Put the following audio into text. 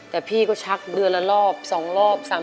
แต่พี่ก็ชักเดือนละรอบสองรอบสามรอบ